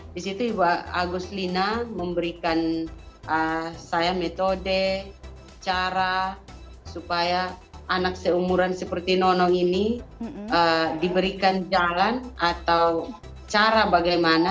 di situ ibu agus lina memberikan saya metode cara supaya anak seumuran seperti nono ini diberikan jalan atau cara bagaimana